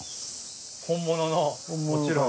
本物のもちろん。